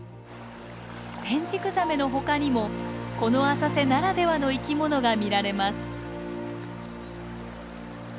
テンジクザメの他にもこの浅瀬ならではの生きものが見られます。